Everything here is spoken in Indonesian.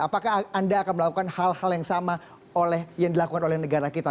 apakah anda akan melakukan hal hal yang sama yang dilakukan oleh negara kita